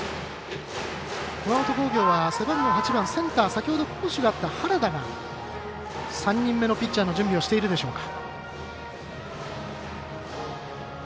熊本工業は背番号８番センター、先ほど好守のあった原田が、３人目のピッチャーの準備をしているでしょうか。